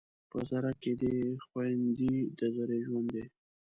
په ذره کې دې خوندي د ذرې ژوند دی